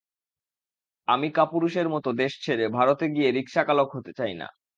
আমি কাপুরুষের মতো দেশ ছেড়ে ভারতে গিয়ে রিকশাচালক হতে চাই না।